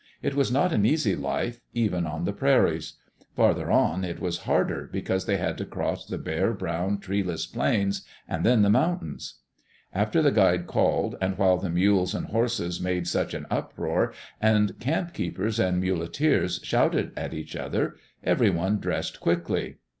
It was not an easy life, even on the prairies. Farther on it was harder because they had to cross the bare, brown, treeless plains, and then the mountains. After the guide called, and while the mules and horses made such an uproar, and camp keepers and muleteers shouted at each other, everyone dressed quickly.